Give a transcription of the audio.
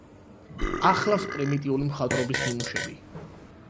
ახლავს პრიმიტიული მხატვრობის ნიმუშები.